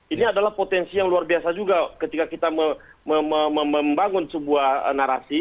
ini adalah potensi yang luar biasa juga ketika kita membangun sebuah narasi